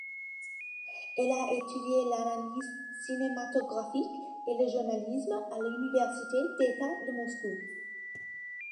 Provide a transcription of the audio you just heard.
Elle a étudié l'analyse cinématographique et le journalisme à l'université d'État de Moscou.